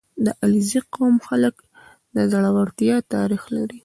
• د علیزي قوم خلک د زړورتیا تاریخ لري.